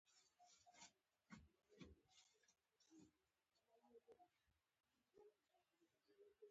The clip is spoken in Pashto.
موږ به تر هغه وخته پورې وطن ته خدمت کوو.